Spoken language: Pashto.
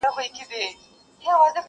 لوټوي چي لوپټه د خورکۍ ورو ورو،